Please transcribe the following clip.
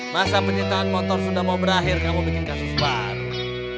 masa penyitaan motor sudah mau berakhir kamu bikin kasus baru